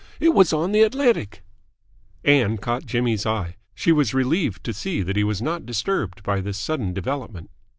It was on the Atlantic!" Ann caught Jimmy's eye. She was relieved to see that he was not disturbed by this sudden development.